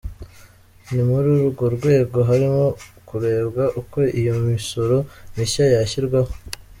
Ni muri urwo rwego harimo kurebwa uko iyo misoro mishya yashyirwaho.